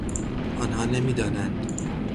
آنها نمیدانند.